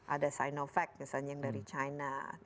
ada sinovac misalnya yang dari china